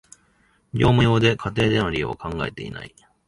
業務用で、家庭での利用は考えてない